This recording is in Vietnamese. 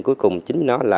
cuối cùng chính nó là